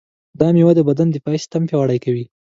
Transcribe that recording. دا مېوه د بدن دفاعي سیستم پیاوړی کوي.